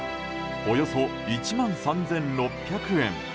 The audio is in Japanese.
およそ１万３６００円。